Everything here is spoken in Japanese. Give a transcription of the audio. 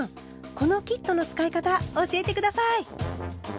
このキットの使い方教えて下さい！